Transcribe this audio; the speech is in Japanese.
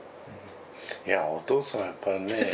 いやお父さんはやっぱりね。